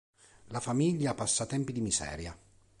La famiglia passa tempi di miseria.